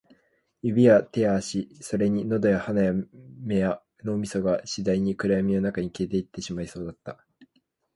指や手や足、それに喉や鼻や目や脳みそが、次第に暗闇の中に消えてしまいそうだった